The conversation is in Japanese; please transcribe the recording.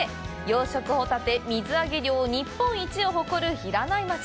養殖ホタテ水揚げ量日本一を誇る平内町。